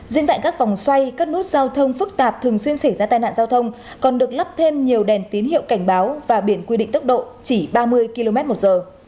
riêng tại các vòng xoay các nút giao thông phức tạp thường xuyên xảy ra tai nạn giao thông còn được lắp thêm nhiều đèn tín hiệu cảnh báo và biển quy định tốc độ chỉ ba mươi km một giờ